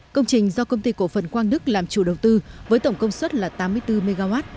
công trình do công ty cổ phần quang đức làm chủ đầu tư với tổng công suất là tám mươi bốn mw